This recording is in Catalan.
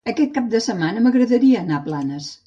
Aquest cap de setmana m'agradaria anar a Planes.